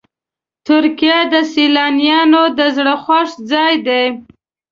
ترکیه د سیلانیانو د زړه خوښ ځای دی.